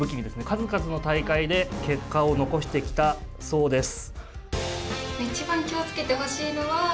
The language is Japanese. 数々の大会で結果を残してきたそうです。